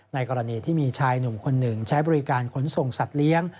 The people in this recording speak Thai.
กรณีที่มีชายหนุ่มคนหนึ่งใช้บริการขนส่งสัตว์เลี้ยง